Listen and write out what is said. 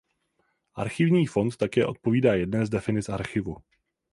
Archivní fond také odpovídá jedné z definic archivu.